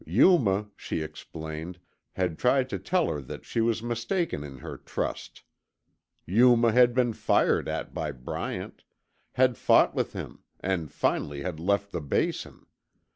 Yuma, she explained, had tried to tell her that she was mistaken in her trust. Yuma had been fired at by Bryant; had fought with him, and finally had left the Basin.